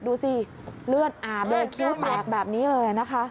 ดูสิเลือดอาบเลยคิ้วแตกแบบนี้เลยนะคะ